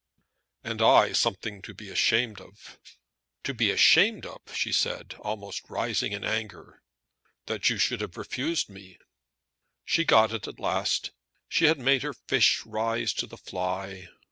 "And I something to be ashamed of." "To be ashamed of!" she said, almost rising in anger. "That you should have refused me!" She had got it at last. She had made her fish rise to the fly.